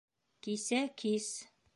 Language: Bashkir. Кисә кис